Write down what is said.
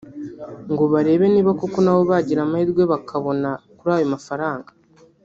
ngo barebe niba koko na bo bagira amahirwe bakabona kuri ayo mafaranga